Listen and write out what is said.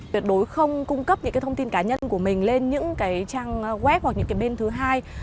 tuyệt đối không cung cấp những cái thông tin cá nhân của mình lên những cái trang web hoặc những cái bên thứ hai